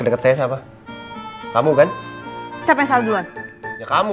itu dia statushaba uwu